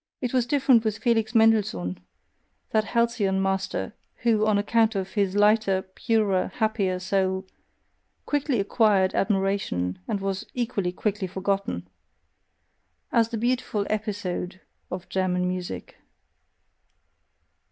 It was different with Felix Mendelssohn, that halcyon master, who, on account of his lighter, purer, happier soul, quickly acquired admiration, and was equally quickly forgotten: as the beautiful EPISODE of German music.